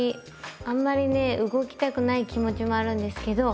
あんまりね動きたくない気持ちもあるんですけど。